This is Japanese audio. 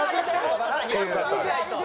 見てあげて！